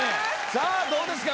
さあどうですか？